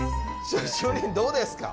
主任どうですか？